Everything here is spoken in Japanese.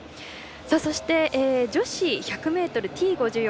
そして、女子１００ｍＴ５４